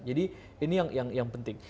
jadi ini yang penting